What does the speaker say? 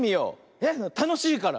えったのしいから。